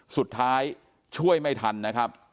สุดท้ายช่วยไม่ทันนะครับ